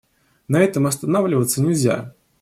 На этом останавливаться нельзя.